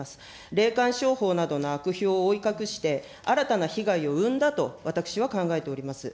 霊感商法などの悪評を覆い隠して、新たな被害を生んだと私は考えております。